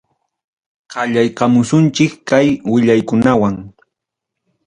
Qallaykamusunchik kay willakuykunawan.